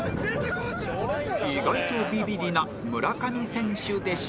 意外とビビリな村上選手でした